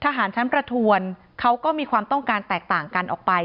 ทหารชั้นประทวนเขาก็มีความต้องการแตกต่างกันออกไป